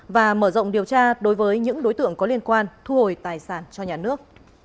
và mở rộng điều tra đối với những đối tượng có liên quan thu hồi tài sản cho nhà nước